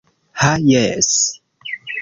Ha jes...